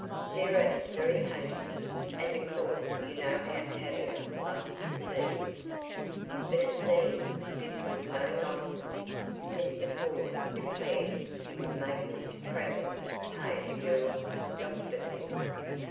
"Sarah is very hasty, and of course you know how Tavia loves to tease." "But it seems this was no nonsense. Mr. Ford declared he would make Mr. Travers pay the girl's doctor bill."